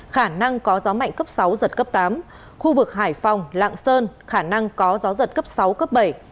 khả năng có gió mạnh cấp sáu giật cấp tám khu vực hải phòng lạng sơn khả năng có gió giật cấp sáu cấp bảy